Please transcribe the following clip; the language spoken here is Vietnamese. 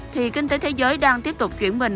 thì kinh tế thế giới đang tiếp tục chuyển mình